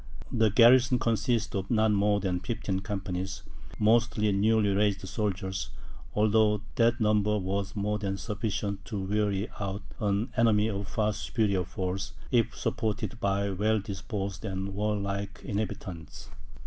The garrison consisted of not more than fifteen companies, mostly newly raised soldiers; although that number was more than sufficient to weary out an enemy of far superior force, if supported by well disposed and warlike inhabitants.